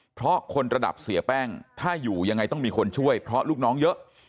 เพราะคนระดับเสียแป้งถ้าอยู่ยังไงต้องมีคนช่วยเพราะลูกน้องเยอะ